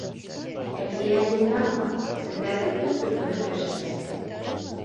Әлфиә ӘБДЕЛМӘНОВА, селтәрҙең төп төркөмө тәржемәсеһе: